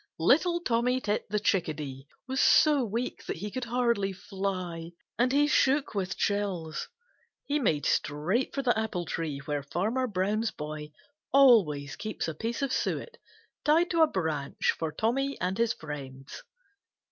Little Tommy Tit the Chickadee was so weak that he could hardly fly, and he shook with chills. He made straight for the apple tree where Farmer Brown's boy always keeps a piece of suet tied to a branch for Tommy and his friends.